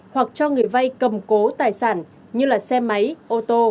hoặc cho người vai cầm cố tài sản như là xe máy ô tô